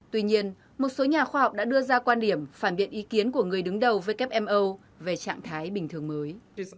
tuy nhiên một số nhà khoa học đã đưa ra quan điểm phản biện ý kiến của người đứng đầu wmo về trạng thái bình thường mới